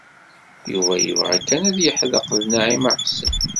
Yuba yebɣa kan ad yeḥdeq d Naɛima u Ḥsen.